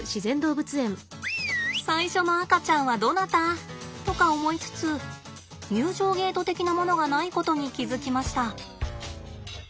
最初の赤ちゃんはどなた？とか思いつつ入場ゲート的なものがないことに気付きました。